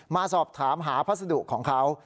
มาสอบถามหาพัสดุของเขา